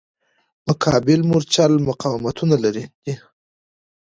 مقابل مورچل مقاومتونه دي.